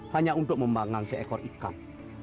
hanya untuk membangun seekor ikan